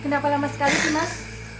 kenapa lama sekali sih mas